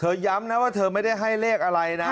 ย้ำนะว่าเธอไม่ได้ให้เลขอะไรนะ